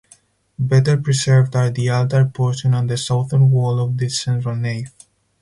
Better preserved are the altar portion and southern wall of the central nave.